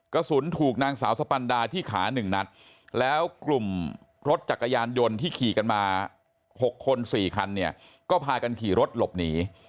กระสุนถูกนางสาวสปันดาที่ขา๑นัดแล้วกลุ่มรถจักรยานยนต์ที่ขี่กันมา๖คน๔คันเนี่ยก็พากันขี่รถหลบหนี